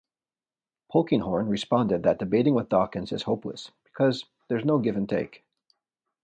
Polkinghorne responded that debating with Dawkins is hopeless, because there's no give and take.